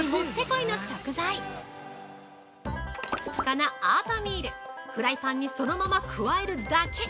このオートミール、フライパンにそのまま加えるだけ！